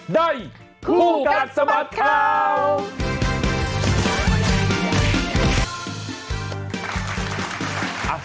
ได้คู่กัดสมัครข่าว